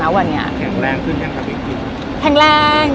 แล้ววันเนี้ยแข็งแรงคือแข็งแข็งแข็งแข็งแรง